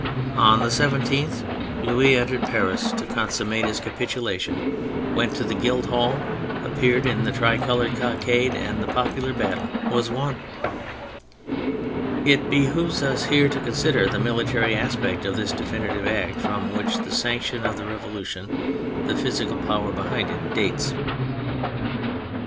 On the 17th Louis entered Paris to consummate his I 96 THE FRENCH REVOLUTION capitulation, went to the Guild Hall, appeared in the tricoloured cockade, and the popular battle was won. It behoves us here to consider the military aspect of this definitive act from which the sanction of the Revolution, the physical power behind it, dates.